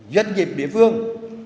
doanh nghiệp địa phương